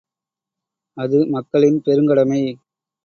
அது மக்களின் பெருங்கடமை.